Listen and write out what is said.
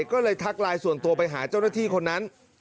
ก็เลยทักไลน์ส่วนตัวไปหาเจ้าหน้าที่คนนั้น